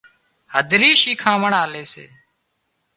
هڌرِي شيکامڻِ آلي سي